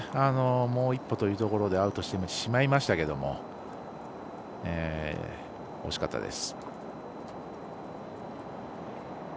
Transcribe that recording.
もう一歩というところでアウトしてしまいましたけれども惜しかったです。